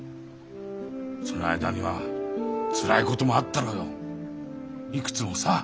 その間にはつらいこともあったろうよいくつもさ。